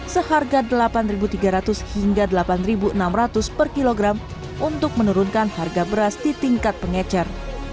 seharga rp delapan tiga ratus hingga rp delapan enam ratus per kilogram untuk menurunkan harga beras di tingkat pengecer